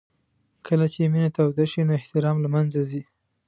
کله چې مینه توده شي نو احترام له منځه ځي.